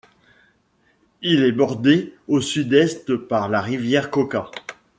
Il est bordé au sud-est par la rivière Coca.